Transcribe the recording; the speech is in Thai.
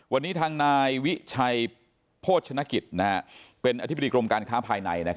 วันนี้ทางนายวิชัยโภชนกิจเป็นอธิบดีกรมการค้าภายใน